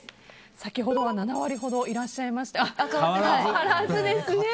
先ほどは７割ほどいらっしゃいましたが変わらずですね。